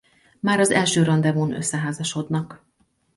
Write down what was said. Már az első randevún összeházasodnak.